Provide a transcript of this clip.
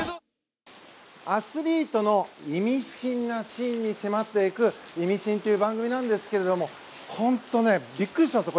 アスリートのイミシンなシーンに迫る「イミシン」という番組ですが本当、びっくりしたんです。